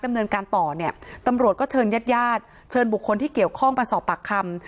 ดำเนินการต่อเนี่ยตำรวจก็เชิญญาติญาติเชิญบุคคลที่เกี่ยวข้องมาสอบปากคำ